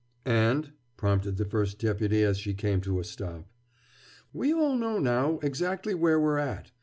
"And?" prompted the First Deputy, as she came to a stop. "We all know, now, exactly where we're at.